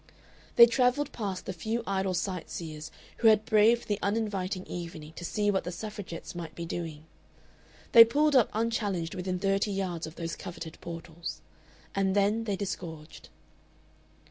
They travelled past the few idle sightseers who had braved the uninviting evening to see what the Suffragettes might be doing; they pulled up unchallenged within thirty yards of those coveted portals. And then they disgorged.